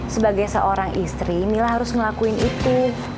sebagai seorang istri mila harus ngelakuin itu